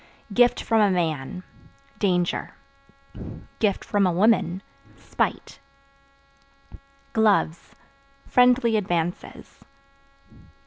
Gift (From a man) danger; (from a woman) spite. Gloves Friendly advances.